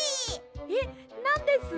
えっなんです？